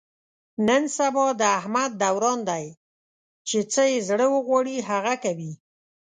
نن سبا د احمد دوران دی، چې څه یې زړه و غواړي هغه کوي.